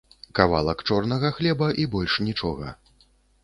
Кавалак чорнага хлеба, і больш нічога.